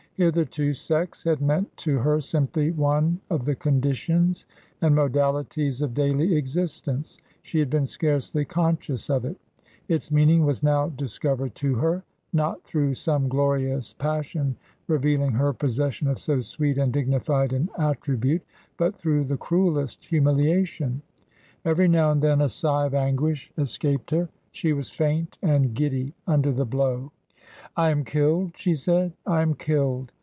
Hitherto Sex had meant to her simply one of the conditions and modalities of daily existence ; she had been scarcely conscious of it. Its meaning was now discovered to her, not through some glorious passion revealing her possession of so sweet and dignified an attribute, but through the cruelest humiliation. Every now and then a sigh of anguish escaped her : she was faint and giddy under the blow. "I am killed," she said, "I am killed.